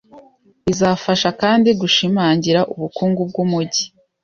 Bizafasha kandi gushimangira ubukungu bwumujyi.